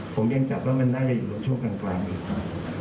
ผมยังจัดว่ามันน่าจะอยู่ในช่วงกลางอยู่ครับ